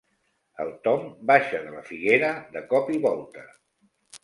El Tom baixa de la figuera de cop i volta.